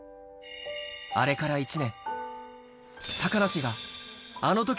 あれから１年。